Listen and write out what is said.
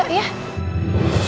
aku sudah hancur angelie